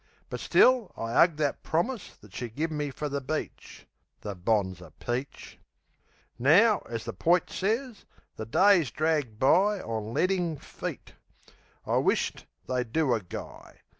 But still I 'ug That promise that she give me fer the beach. The bonzer peach! Now, as the poit sez, the days drag by On ledding feet. I wish't they'd do a guy.